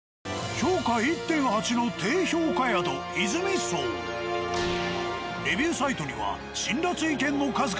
評価１．８の低評価宿レビューサイトには辛辣意見の数々。